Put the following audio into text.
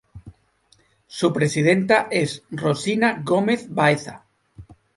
Su presidenta es Rosina Gómez Baeza.